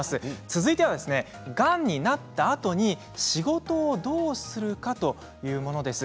続いてはがんになったあと仕事をどうするかというものです。